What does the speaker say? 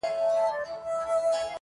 خيال ويل ه مـا پــرې وپاسه.